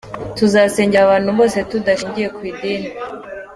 Tuzasengera abantu bose tudashingiye ku idini.